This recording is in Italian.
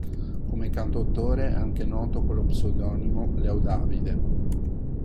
Come cantautore è anche noto con lo pseudonimo Leo Davide.